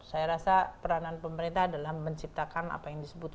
saya rasa peranan pemerintah adalah menciptakan apa yang disebut